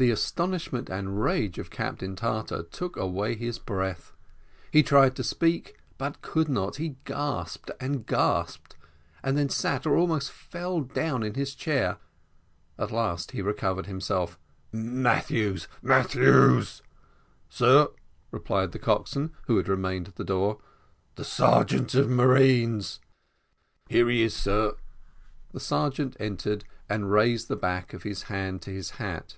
The astonishment and rage of Captain Tartar took away his breath. He tried to speak, but could not he gasped and gasped, and then sat or almost fell down in his chair at last he recovered himself. "Matthews Matthews!" "Sir," replied the coxswain, who had remained at the door. "The sergeant of marines." "Here he is, sir." The sergeant entered, and raised the back of his hand to his hat.